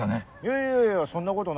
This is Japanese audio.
いやいやいやそんなことないよ。